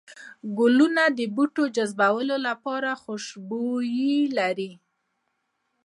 گلونه د بوټو جذبولو لپاره خوشبو لري